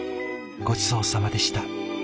ごちそうさまでした。